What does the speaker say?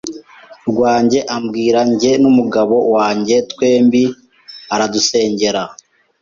rwanjye ambwira njye n’umugabo wanjye twembi aradusengera